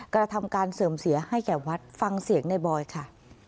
กระทำการเสื่อมเสียให้แก่วัดฟังเสียงในบอยค่ะ